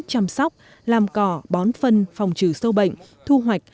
chăm sóc làm cỏ bón phân phòng trừ sâu bệnh thu hoạch